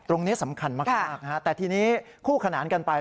ตรงนี้สำคัญมากนะฮะแต่ทีนี้คู่ขนานกันไป